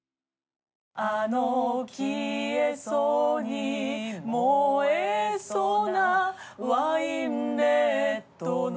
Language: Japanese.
「あの消えそうに燃えそうなワインレッドの」